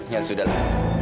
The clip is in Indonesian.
ya sudah lah